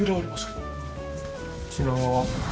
こちらは。